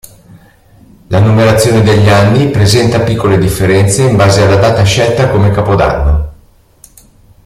La numerazione degli anni presenta piccole differenze in base alla data scelta come capodanno.